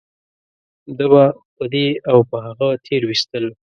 ده به په دې او په هغه تېرويستل .